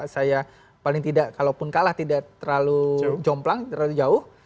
saya paling tidak kalaupun kalah tidak terlalu jomplang terlalu jauh